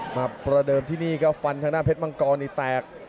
มาประเดิมที่นี่ก็ฟันข้างหน้าเพชรมังกรนี่แตก